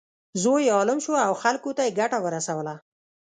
زوی یې عالم شو او خلکو ته یې ګټه ورسوله.